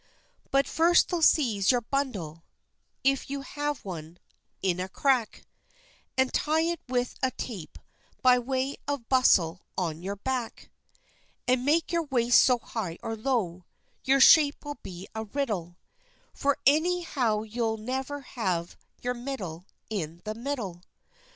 But first they'll seize your bundle (if you have one) in a crack, And tie it with a tape by way of bustle on your back; And make your waist so high or low, your shape will be a riddle, For anyhow you'll never have your middle in the middle.